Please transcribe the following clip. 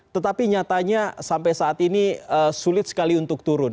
tetapi nyatanya sampai saat ini sulit sekali untuk turun